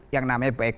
yang namanya baik